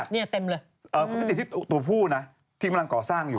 เขาไม่ติดที่ตัวผู้นะที่กำลังก่อสร้างอยู่